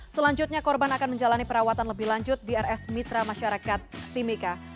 selanjutnya korban akan menjalani perawatan lebih lanjut di rs mitra masyarakat timika